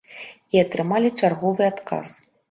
І атрымалі чарговы адказ.